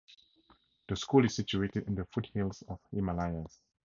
The school is situated in the foothills of Himalayas.